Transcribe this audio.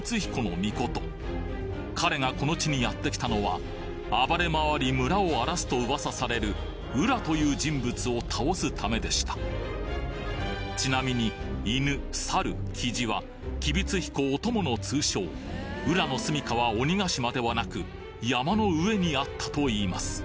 命彼がこの地にやって来たのは暴れ回り村を荒らすと噂される温羅という人物を倒すためでしたちなみに犬猿キジは吉備津彦お供の通称温羅の住処は鬼ヶ島ではなく山の上にあったと言います